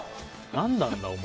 何なんだ、お前。